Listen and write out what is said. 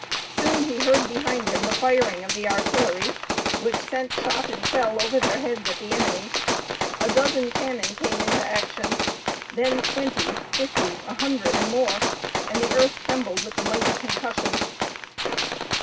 Soon he heard behind him the firing of the artillery which sent shot and shell over their heads at the enemy. A dozen cannon came into action, then twenty, fifty, a hundred and more, and the earth trembled with the mighty concussion.